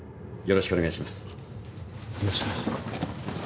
よろしくお願いします。